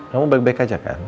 memang baik baik aja kan